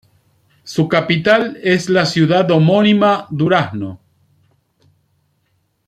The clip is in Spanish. Su capital es es la ciudad homónima Durazno.